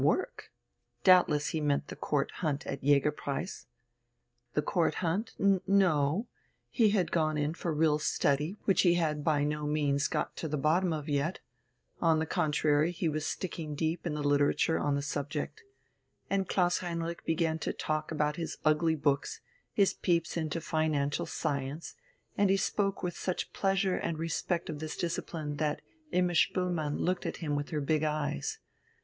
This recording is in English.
Work? Doubtless he meant the Court Hunt at "Jägerpreis." The Court Hunt? No. He had gone in for real study which he had by no means got to the bottom of yet; on the contrary he was sticking deep in the literature on the subject.... And Klaus Heinrich began to talk about his ugly books, his peeps into financial science, and he spoke with such pleasure and respect of this discipline that Imma Spoelmann looked at him with her big eyes.